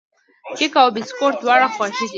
کیک او بسکوټ دواړه خوږې دي.